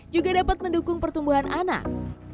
juga dapat mendukung pertumbuhan anak